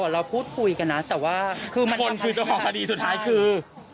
เราพูดคุยกันนะแต่ว่าคือคนคือเจ้าของคดีสุดท้ายคือ